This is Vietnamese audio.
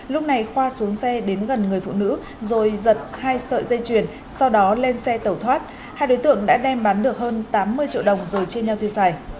lúc này khoa xuống xe đến gần người phụ nữ rồi giật hai sợi dây chuyền sau đó lên xe tẩu thoát hai đối tượng đã đem bán được hơn tám mươi triệu đồng rồi chia nhau tiêu xài